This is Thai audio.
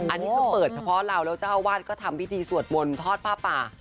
อันนี้เขาเปิดเฉพาะเราแล้วเจ้าอาวาสก็ทำพิธีสวดมนต์ทอดผ้าป่า